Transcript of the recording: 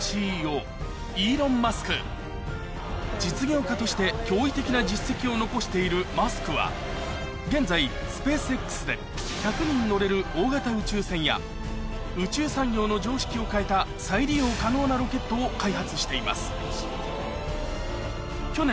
実業家として驚異的な実績を残しているマスクは現在スペースＸで１００人乗れる大型宇宙船や宇宙産業の常識を変えた再利用可能なロケットを開発しています